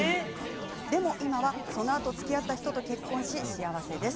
でも今は、そのあとつきあった人と結婚し幸せです。